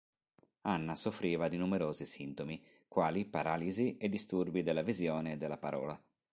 Anna soffriva di numerosi sintomi, quali paralisi e disturbi della visione e della parola.